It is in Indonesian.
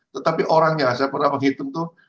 tetapi orangnya saya pernah menghitung itu